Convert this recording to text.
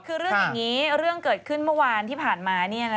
ห่ะยิงกันวินาสันตะโลรองสารวัส